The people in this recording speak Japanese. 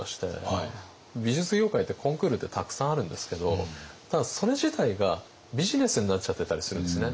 美術業界ってコンクールってたくさんあるんですけどただそれ自体がビジネスになっちゃってたりするんですね。